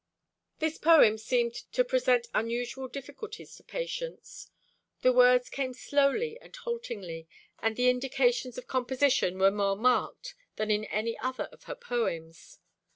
This poem seemed to present unusual difficulties to Patience. The words came slowly and haltingly, and the indications of composition were more marked than in any other of her poems.